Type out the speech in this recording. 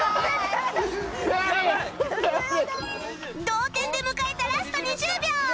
同点で迎えたラスト２０秒